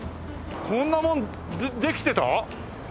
こんな門できてた？